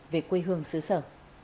về quê hương xứ sở